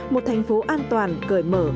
một thành phố an toàn cởi mở